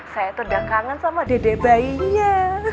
saya tuh udah kangen sama dede bayinya